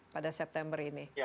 pada september ini